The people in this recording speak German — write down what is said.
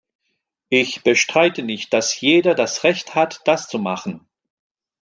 Ich bestreite nicht, dass jeder das Recht hat, das zu machen!